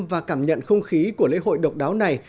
và cảm nhận không khí của lễ hội độc đáo này